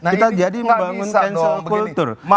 kita jadi meng cancel culture